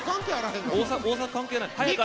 大阪関係ない。